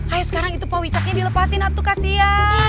ayo sekarang itu pak wicaknya dilepasin atuh kasihan